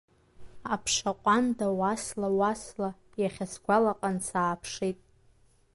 Аԥша ҟәанда, уасла, уасла, иахьа сгәалаҟан сааԥшит.